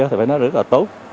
thì phải nói rất là tốt